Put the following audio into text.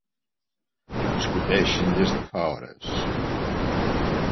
Discuteixen des de fa hores.